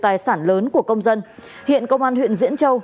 tài sản lớn của công dân hiện công an huyện diễn châu